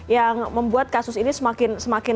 yang membuat kasus ini